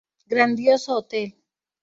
Grandioso hotel.